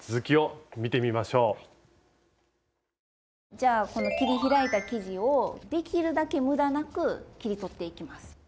じゃあこの切り開いた生地をできるだけむだなく切り取っていきます。